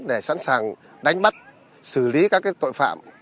để sẵn sàng đánh bắt xử lý các tội phạm